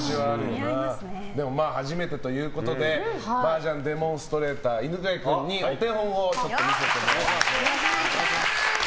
でも初めてということで麻雀デモンストレーター犬飼君にお手本を見せてもらいます。